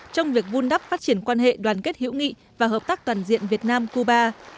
trong việc vun đắp phát triển quan hệ đoàn kết hữu nghị và hợp tác toàn diện việt nam cuba